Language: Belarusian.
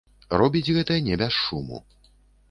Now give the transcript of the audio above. Робіць гэта не без шуму.